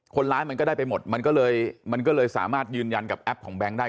คนร้ายมันก็ได้ไปหมดมันก็เลยมันก็เลยสามารถยืนยันกับแอปของแบงค์ได้